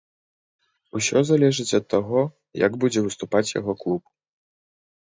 Усё залежыць ад таго, як будзе выступаць яго клуб.